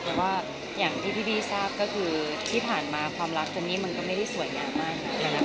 แต่ว่าอย่างที่พี่บี้ทราบก็คือที่ผ่านมาความรักเจนนี่มันก็ไม่ได้สวยงามมากนัก